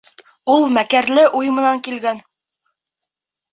Ул мәкерле уй менән килгән!